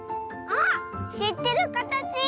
しってるかたち。